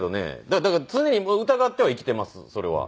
だから常に疑っては生きていますそれは。